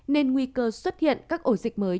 nên nguy cơ xuất hiện các ổ dịch mới